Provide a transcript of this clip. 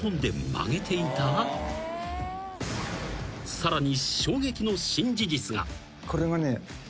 ［さらに］